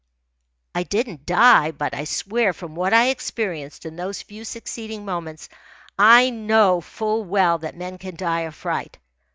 I didn't die, but I swear, from what I experienced in those few succeeding moments, that I know full well that men can die of fright.